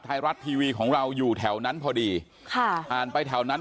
ไทยรัฐทีวีของเราอยู่แถวนั้นพอดีค่ะอ่านไปแถวนั้น